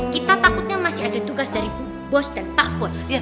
kita takutnya masih ada tugas dari bos dan pak bos